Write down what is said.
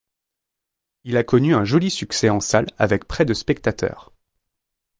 Il a connu un joli succès en salles avec près de spectateurs.